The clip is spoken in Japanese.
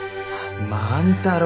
万太郎。